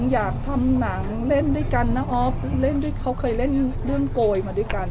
อยากทำหนังเล่นด้วยกันนะออฟเล่นด้วยเขาเคยเล่นเรื่องโกยมาด้วยกัน